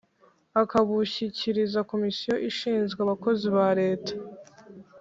akabushyikiriza komisiyo ishinzwe abakozi ba leta.